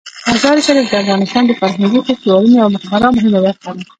مزارشریف د افغانستان د فرهنګي فستیوالونو یوه خورا مهمه برخه ده.